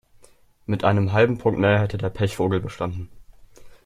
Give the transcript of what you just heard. Mit einem halben Punkt mehr hätte der Pechvogel bestanden.